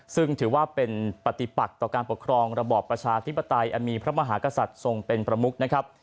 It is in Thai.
ซึ่งถือว่าเป็นปฏิปักต่อการปกครองระบอบประชาธิปไตยอันมีพระมหากษัตริย์ทรงเป็นประมุกนะครับ